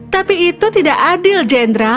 tapi itu tidak adil jenderal